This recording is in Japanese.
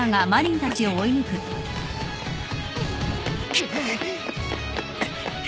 くっ。